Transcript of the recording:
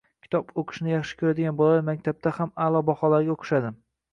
Kitob o‘qishni yaxshi ko‘radigan bolalar maktabda ham a’lo baholarga o‘qishadi.